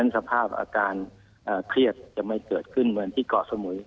สภาพอาการเครียดจะไม่เกิดขึ้นเหมือนที่เกาะสมุย